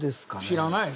知らないよ